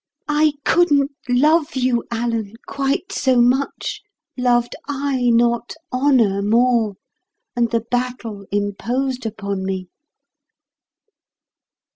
I couldn't love you, Alan, quite so much, loved I not honour more, and the battle imposed upon me."